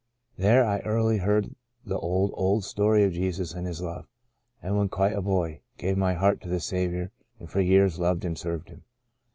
There I early heard the old, old story of Jesus and His love, and when quite a boy, gave my heart to the Saviour and for years loved and served Him.